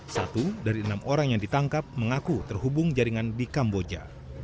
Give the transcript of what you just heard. satu dari enam orang yang ditangkap mengaku terhubung jaringan di kamboja